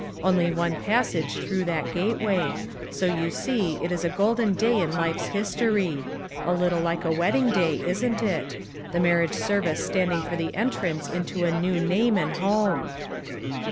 Only one passage through that gateway; so you see it is a golden day in life's history; a little like a wedding day, isn't it? the marriage service standing for the entrance into a new name and home.